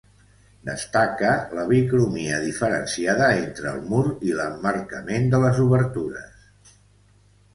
Destaca la bicromia diferenciada entre el mur i l'emmarcament de les obertures.